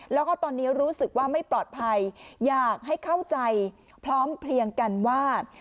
แล้วก็ตอนนี้รู้สึกว่าไม่ปลอดภัยอยากให้เข้าใจพร้อมเพลียงกันว่า